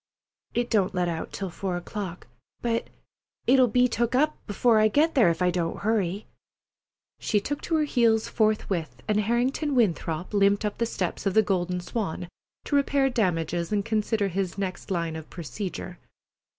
"It don't let out till four o'clock—but it'll be took up 'fore I get there if I don't hurry." She took to her heels forthwith, and Harrington Winthrop limped up the steps of the Golden Swan to repair damages and consider his next line of procedure.